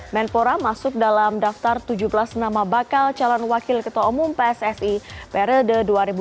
menpora masuk dalam daftar tujuh belas nama bakal calon wakil ketua umum pssi periode dua ribu dua puluh tiga dua ribu dua puluh tujuh